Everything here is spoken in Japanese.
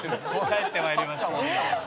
帰って参りました。